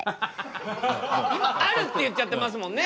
「ある」って言っちゃってますもんね。